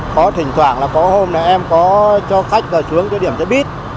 có thỉnh thoảng là có hôm này em có cho khách vào xuống chỗ điểm chơi bít